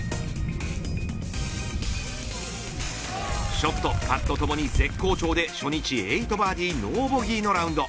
ショット、パットともに絶好調で初日８バーディーノーボギーのラウンド。